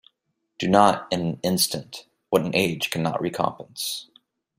Do not in an instant what an age cannot recompense.